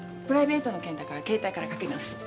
プライベートの件だから携帯からかけ直す。